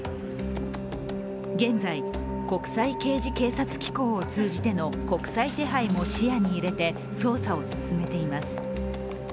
現在、国際刑事警察機構を通じての国際手配も視野に入れて捜査を進めています。